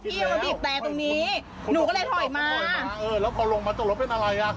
มาบีบแต่ตรงนี้หนูก็เลยถอยมาเออแล้วพอลงมาตรงรถเป็นอะไรอ่ะ